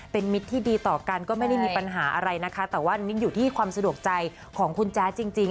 เป็นมิตรที่ดีต่อกันก็ไม่ได้มีปัญหาอะไรนะคะแต่ว่ามิ้นอยู่ที่ความสะดวกใจของคุณแจ๊ดจริง